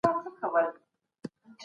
روزنه مهم اصول لري، چي پام ورته اړين دی.